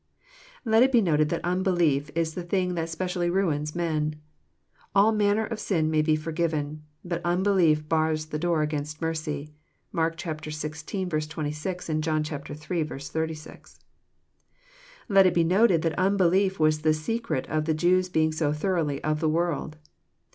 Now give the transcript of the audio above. Let it be noted that unbelief is the thing that specially ruins men. All manner of sin may be forgiven. But unbelief bars the door against mercy. (Mark xvi. 26, and John iii. 36.) Let it be noted that unbelief was the secret of the Jews being so thoroughly •* of the world."